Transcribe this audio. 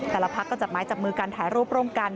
แต่ละภาคก็จับไม้จับมือกันถ่ายรูปร่วมกัน